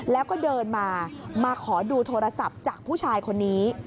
แล้วก็เดินมามาขอดูโทรศัพท์จากผู้ชายคนนี้